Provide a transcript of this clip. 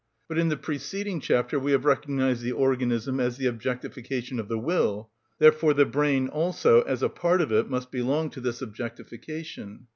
But in the preceding chapter we have recognised the organism as the objectification of the will; therefore the brain also, as a part of it, must belong to this objectification.